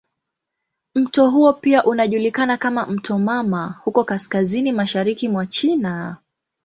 Mto huo pia unajulikana kama "mto mama" huko kaskazini mashariki mwa China.